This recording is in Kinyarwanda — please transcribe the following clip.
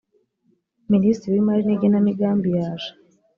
minisitiri w imari n igenamigambi yaje